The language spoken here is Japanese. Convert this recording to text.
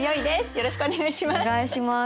よろしくお願いします！